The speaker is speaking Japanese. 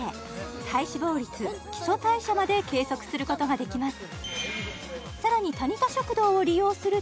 体脂肪率基礎代謝まで計測することができます